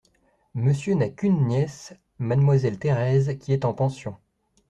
Monsieur n’a qu’une nièce : mademoiselle Thérèse, qui est en pension…